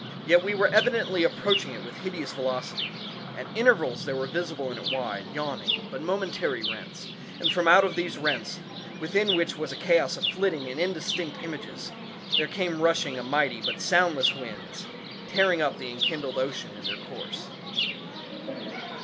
Yet we were evidently approaching it with a hideous velocity. At intervals there were visible in it wide, yawning, but momentary rents, and from out these rents, within which was a chaos of flitting and indistinct images, there came rushing and mighty, but soundless winds, tearing up the enkindled ocean in their course.